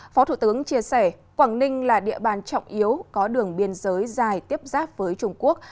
phó thủ tướng chia sẻ quảng ninh là địa bàn trọng yếu có đường biên giới dài tiếp giáp với trung quốc